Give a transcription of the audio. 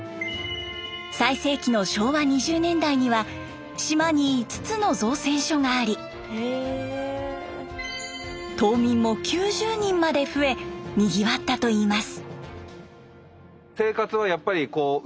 最盛期の昭和２０年代には島に５つの造船所があり島民も９０人まで増えにぎわったといいます。